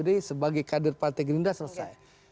andre rosiabri sebagai kader partai gerindra selesai